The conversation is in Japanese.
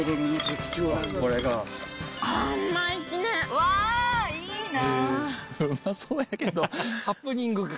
うわぁいいな。